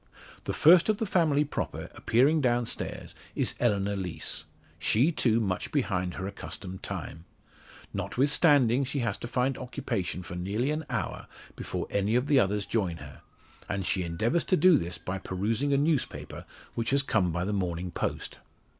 The first of the family proper, appearing down stairs is Eleanor Lees; she, too, much behind her accustomed time. Notwithstanding, she has to find occupation for nearly an hour before any of the others join her; and she endeavours to do this by perusing a newspaper which has come by the morning post.